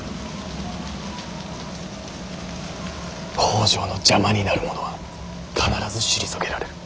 北条の邪魔になる者は必ず退けられる。